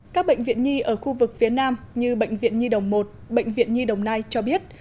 các bệnh viện nhi ở khu vực phía nam như bệnh viện nhi đồng một bệnh viện nhi đồng nai cho biết